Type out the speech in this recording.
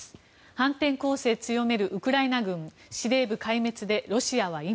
反転攻勢強めるウクライナ軍司令部壊滅でロシアは今。